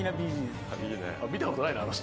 ・見たことないなあの人。